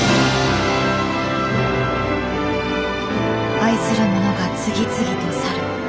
愛するものが次々と去る。